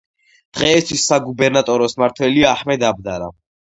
დღეისთვის საგუბერნატოროს მმართველია აჰმედ აბდალა.